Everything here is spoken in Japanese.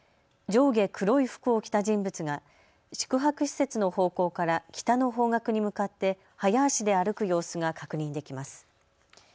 上下黒い服を着た人物が宿泊施設の方向から北の方角に向かって早足で歩く様子が確認できます。